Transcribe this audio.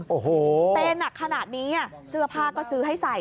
โอ้โหเต้นหนักขนาดนี้เสื้อผ้าก็ซื้อให้ใส่